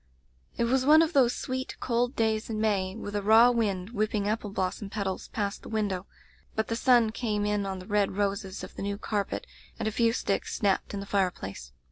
"It was one of those sweet, cold days in May, with a raw wind whipping apple blos som petals past the window; but the sun came in on the red roses of the new carpet, and a few sticks snapped in the fireplace.